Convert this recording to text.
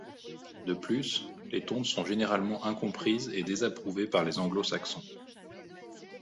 De plus, les tontes sont généralement incomprises et désapprouvées par les Anglo-Saxons.